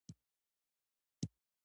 د ماشوم د قبضیت لپاره د څه شي اوبه ورکړم؟